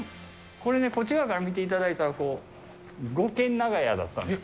これね、こっち側から見ていただいたら、五軒長屋だったんです。